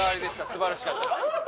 素晴らしかったです。